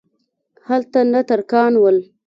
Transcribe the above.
هلته نه ترکان ول.